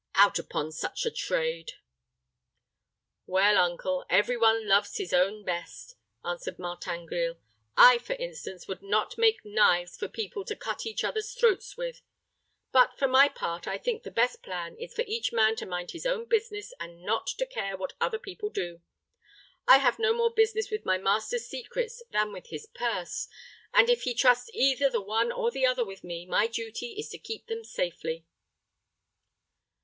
Out upon such a trade." "Well, uncle, every one loves his own best," answered Martin Grille. "I, for instance, would not make knives for people to cut each other's throats with. But for my part, I think the best plan is for each man to mind his own business, and not to care for what other people do. I have no more business with my master's secrets than with his purse, and if he trusts either the one or the other with me, my duty is to keep them safely."